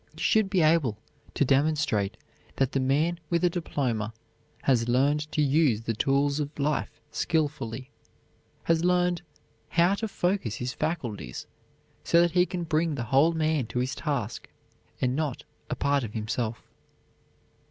You should be able to demonstrate that the man with a diploma has learned to use the tools of life skilfully; has learned how to focus his faculties so that he can bring the whole man to his task, and not a part of himself.